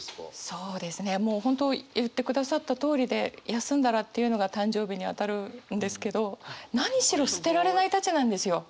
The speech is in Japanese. そうですねもう本当言ってくださったとおりで「休んだら」っていうのが誕生日にあたるんですけど何しろ捨てられないたちなんですよ。